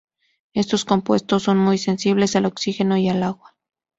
Estos compuestos son muy sensibles al oxígeno y al agua.